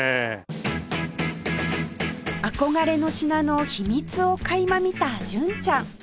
憧れの品の秘密を垣間見た純ちゃん